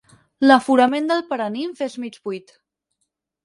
L'aforament del paranimf és mig buit.